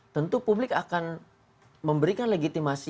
tentu publik akan memberikan legitimasi